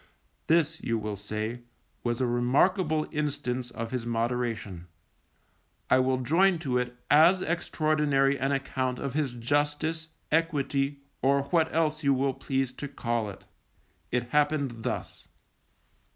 _ This, you will say, was a remarkable instance of his moderation. I will join to it as extraordinary an account of his justice, equity, or what else you will please to call it. It happened thus.